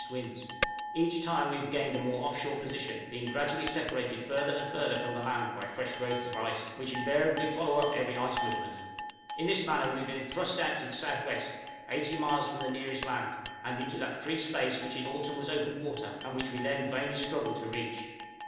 winds; each time we have gained a more off shore position, being gradually separated further and further from the land by fresh growths of ice, which invariably follow up every ice movement. In this manner we have been thrust out to the S.W. 80 miles from the nearest land, and into that free space which in autumn was open water, and which we then vainly struggled to reach.